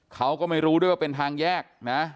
เขาก็ไม่รู้ด้วยว่าเป็นทางแยกนะ